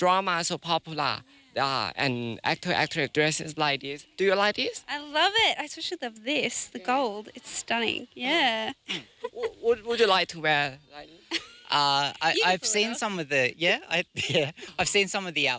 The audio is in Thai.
ผมเห็นภาพที่ผู้โยงเร็วแต่มันเห็นกันดีดีมาก